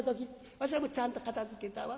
「わしはもうちゃんと片づけたわ」。